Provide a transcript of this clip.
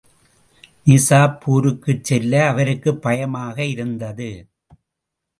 நிசாப்பூருக்குச் செல்ல அவருக்குப் பயமாக இருந்தது.